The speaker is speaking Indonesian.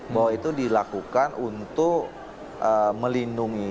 bahwa itu dilakukan untuk melindungi